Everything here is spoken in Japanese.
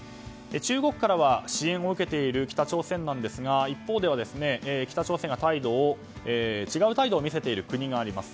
中国からは支援を受けている北朝鮮なんですが一方で、北朝鮮が違う態度を見せている国があります。